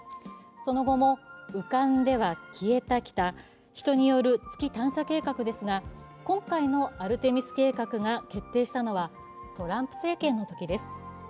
その後も、浮かんでは消えてきた人による月探査計画ですが、今回のアルテミス計画が決定したのはトランプ政権のときです。